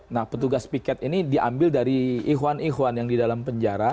nah petugas piket ini diambil dari ikhwan ikhwan yang di dalam penjara